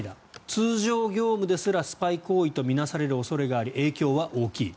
通常業務ですらスパイ行為と見なされる恐れがあり影響は大きい。